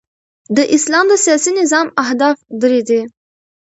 د اسلام د سیاسي نظام اهداف درې دي.